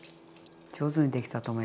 上手にできたと思います。